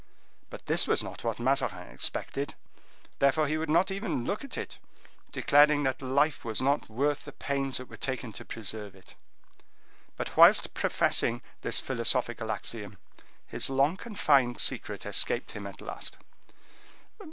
But this was not what Mazarin expected; therefore he would not even look at it, declaring that life was not worth the pains that were taken to preserve it. But, whilst professing this philosophical axiom, his long confined secret escaped him at last.